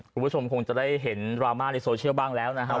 คุณผู้ชมคงจะได้เห็นดราม่าในโซเชียลบ้างแล้วนะครับ